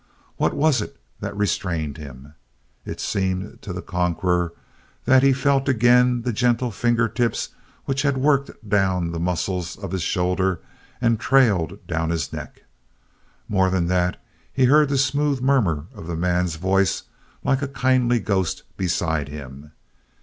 What was it that restrained him? It seemed to the conqueror that he felt again the gentle finger tips which had worked down the muscles of his shoulder and trailed down his neck. More than that, he heard the smooth murmur of the man's voice like a kindly ghost beside him.